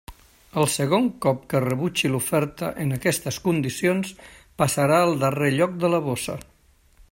El segon cop que rebutgi l'oferta en aquestes condicions passarà al darrer lloc de la borsa.